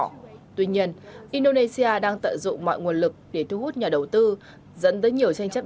tuy nhiên indonesia đang tận dụng mọi nguồn lực để thu hút nhà đầu tư dẫn tới nhiều tranh chấp